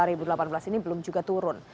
dua ribu delapan belas ini belum juga turun